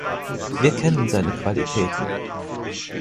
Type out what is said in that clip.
Wir kennen seine Qualitäten.